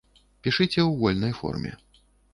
Пішыце ў вольнай форме.